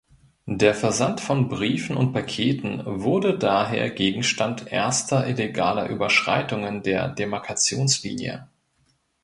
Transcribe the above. Der Versand von Briefen und Paketen wurde daher Gegenstand erster illegaler Überschreitungen der Demarkationslinie.